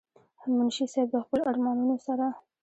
منشي صېب د خپلو ارمانونو سره